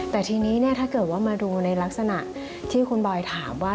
แต่ทีนี้เนี่ยถ้าเกิดว่ามาดูในลักษณะที่คุณบอยถามว่า